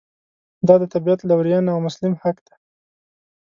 دا د طبعیت لورېینه او مسلم حق دی.